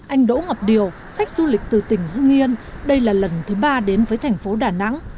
anh đỗ ngọc điều khách du lịch từ tỉnh hưng yên đây là lần thứ ba đến với thành phố đà nẵng